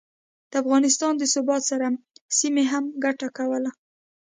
د افغانستان د ثبات سره، سیمې هم ګټه کوله